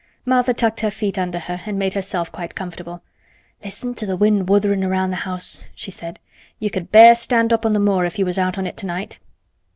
Martha tucked her feet under her and made herself quite comfortable. "Listen to th' wind wutherin' round the house," she said. "You could bare stand up on the moor if you was out on it tonight."